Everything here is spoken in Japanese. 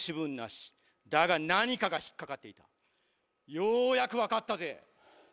ようやくわかったぜ。